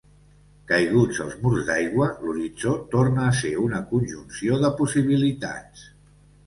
Caiguts els murs d'aigua, l'horitzó torna a ser una conjunció de possibilitats.